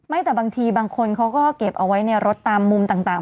แต่บางทีบางคนเขาก็เก็บเอาไว้ในรถตามมุมต่าง